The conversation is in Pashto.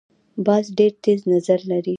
باز ډیر تېز نظر لري